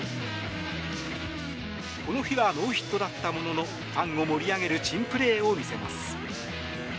この日はノーヒットだったもののファンを盛り上げる珍プレーを見せます。